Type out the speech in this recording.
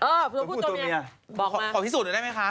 เออตัวผู้ตัวเมียขอพริสูจน์หน่อยได้ไหมคะบอกมา